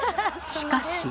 しかし。